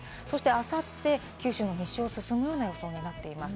あさって九州の西を進むような予想になっています。